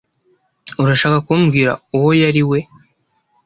Urashaka kumbwira uwo yari we?